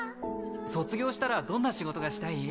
卒業したらどんな仕事がしたい？